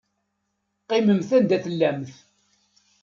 Qqimemt anda tellamt.